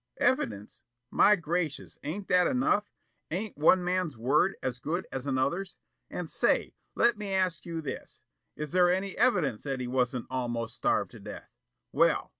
"Evidence? My gracious, ain't that enough? Ain't one man's word as good as another's? And say, let me ask you this: Is there any evidence that he wasn't almost starved to death! Well!